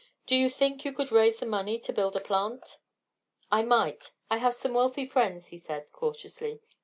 Do you think you could raise the money to build a plant?" "I might. I have some wealthy friends," he said, cautiously.